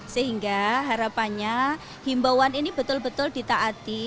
sehingga harapannya himbauan ini betul betul ditaati